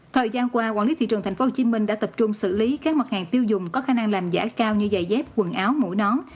thời gian qua quản lý thị trường tp hcm đã tập trung xử lý các mặt hàng tiêu dùng có khả năng làm giả cao như giày dép quần áo mũ nón